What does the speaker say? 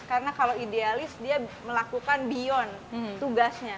karena kalau idealis dia melakukan beyond tugasnya